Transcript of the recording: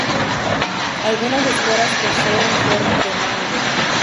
Algunas esporas poseen forma de mango.